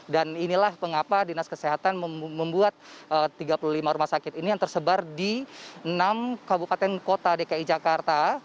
dan inilah pengapa dinas kesehatan membuat tiga puluh lima rumah sakit ini yang tersebar di enam kabupaten kota dki jakarta